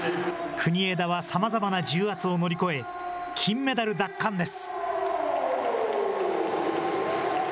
国枝はさまざまな重圧を乗り越え、金メダル奪還です。